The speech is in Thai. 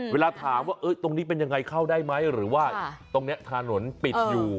เวลาถามว่าตรงนี้เป็นยังไงเข้าได้ไหมหรือว่าตรงนี้ถนนปิดอยู่